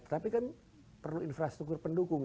tapi kan perlu infrastruktur pendukung